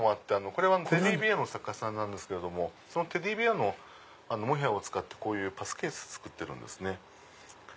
これはテディベアの作家さんなんですけどもテディベアのモヘアを使ってパスケース作ってるんですね。